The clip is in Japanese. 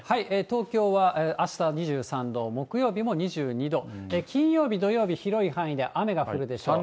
東京はあした２３度、木曜日も２２度、金曜日、土曜日、広い範囲で雨が降るでしょう。